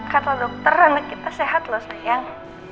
kata dokter anak kita sehat loh sayang